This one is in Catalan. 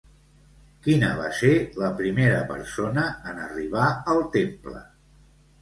Quina va ser la primera persona en arribar al temple?